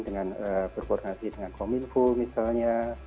dengan berkoordinasi dengan kominfo misalnya